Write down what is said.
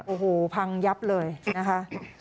โอ้โหพังยับเลยนะคะ